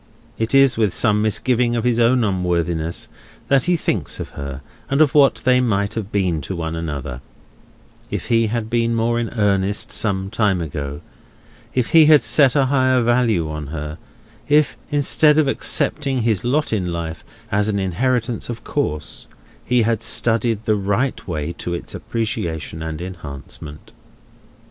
It is with some misgiving of his own unworthiness that he thinks of her, and of what they might have been to one another, if he had been more in earnest some time ago; if he had set a higher value on her; if, instead of accepting his lot in life as an inheritance of course, he had studied the right way to its appreciation and enhancement.